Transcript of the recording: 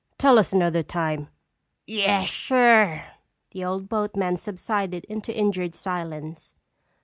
"Tell us another time!" "Yes, sir." The old boatman subsided into injured silence.